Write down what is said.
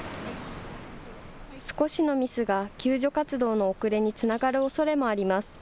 少しのミスが救助活動の遅れにつながるおそれもあります。